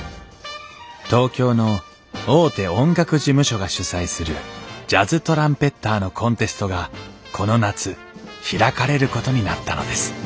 東京の大手音楽事務所が主催するジャズトランペッターのコンテストがこの夏開かれることになったのです